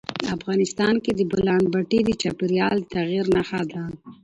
افغانستان کې د بولان پټي د چاپېریال د تغیر نښه ده.